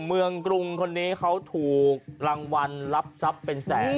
เมืองกรุงคนนี้เขาถูกรางวัลรับทรัพย์เป็นแสน